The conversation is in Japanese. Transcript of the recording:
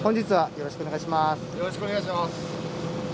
よろしくお願いします。